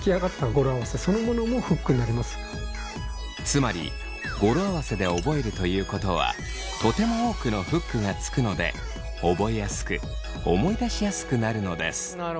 つまり語呂合わせで覚えるということはとても多くのフックがつくので覚えやすく思い出しやすくなるのです。